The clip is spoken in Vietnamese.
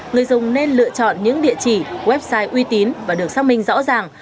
người dùng nên lựa chọn những địa chỉ website uy tín và được xác minh rõ ràng